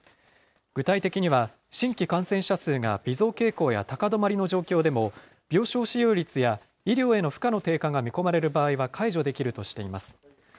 具体的には、新規感染者数が微増傾向や高止まりの状況でも、病床使用率や医療への負荷の低下が見込まれる場合は解除できるとしています。